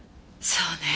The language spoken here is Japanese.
そうね。